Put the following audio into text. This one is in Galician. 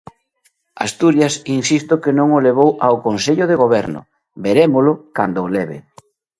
Asturias insisto que non o levou ao Consello de Goberno, verémolo cando o leve.